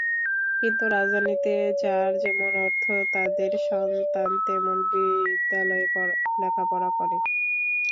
কিন্তু রাজধানীতে যার যেমন অর্থ, তাদের সন্তান তেমন বিদ্যালয়ে লেখাপড়া করে।